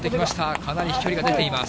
かなり飛距離が出ています。